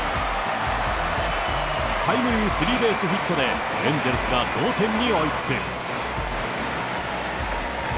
タイムリースリーベースヒットで、エンゼルスが同点に追いつく。